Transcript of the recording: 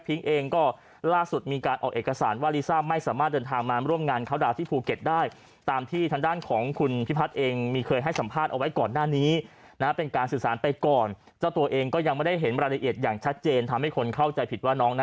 เพราะฉะนั้นเดี๋ยวรอเพราะว่าอัศวินท่านเค้าก่อน